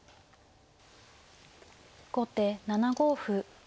後手７五歩。